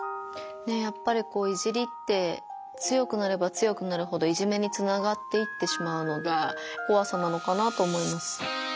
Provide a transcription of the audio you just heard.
やっぱり「いじり」って強くなれば強くなるほどいじめにつながっていってしまうのがこわさなのかなと思います。